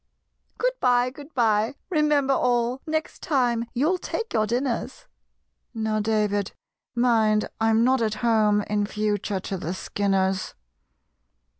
"Good bye! good bye! remember all, Next time you'll take your dinners! (Now, David, mind I'm not at home In future to the Skinners!")